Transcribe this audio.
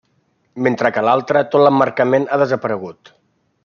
Mentre que l’altra, tot l’emmarcament ha desaparegut.